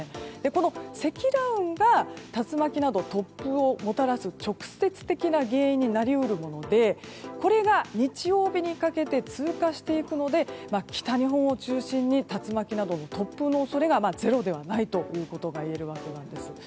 この積乱雲が竜巻など突風をもたらす直接的な原因になり得るものでこれが日曜日にかけて通過していくので北日本を中心に竜巻などの突風の恐れがゼロではないということがいえるわけなんです。